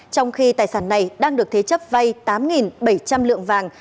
trong khi tài sản này đang được thế chấp vay tám bảy trăm linh lượng vàng